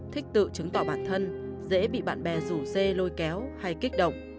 thích tự chứng tỏ bản thân dễ bị bạn bè rủ dê lôi kéo hay kích động